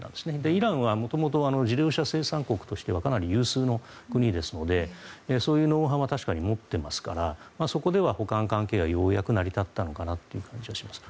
イランは元々自動車生産国としてはかなり有数の国ですのでそういうノウハウは確かに持っていますからそこでは補完関係がようやく成り立ったのかなという感じがします。